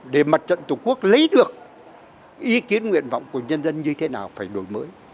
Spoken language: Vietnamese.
để mặt trận tổ quốc lấy được ý kiến nguyện vọng của nhân dân như thế nào phải đổi mới